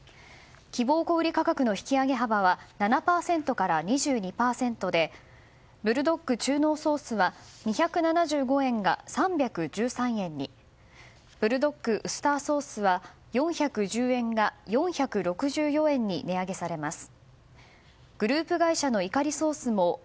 希望小売価格の引き上げ幅は７％から２２％でブルドック中濃ソースは２７５円が３１３円にブルドックウスターソースは４１０円が４６４円に値上げされます。